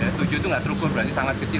tujuh itu tidak terukur berarti sangat kecil